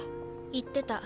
言ってた。